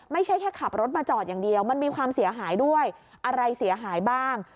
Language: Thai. ไม่ใช่แค่ขับรถมาจอดอย่างเดียวมันมีความเสียหายด้วยอะไรเสียหายบ้าง